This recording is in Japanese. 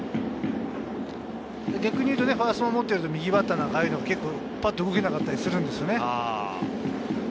逆にいうとファーストを守っていると、右バッターはああいうの、パッと動けなかったりするんですね。